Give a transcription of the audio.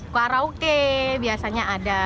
karaoke biasanya ada